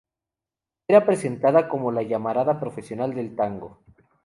Era presentada como la Llamarada pasional del tango.